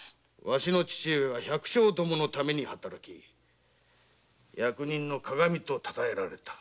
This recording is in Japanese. わしの父上は百姓どものために働き「役人の鑑」と言われた。